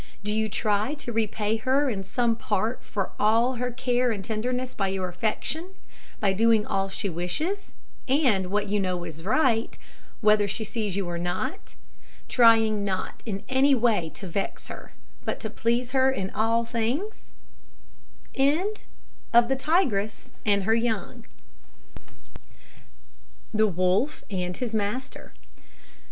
Do you try to repay her in some part for all her care and tenderness, by your affection, by doing all she wishes, and what you know is right, whether she sees you or not; trying not in any way to vex her, but to please her in all things? THE WOLF AND HIS MASTER.